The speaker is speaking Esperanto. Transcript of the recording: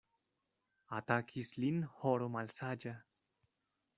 Atakis lin horo malsaĝa.